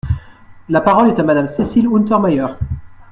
La parole est à Madame Cécile Untermaier.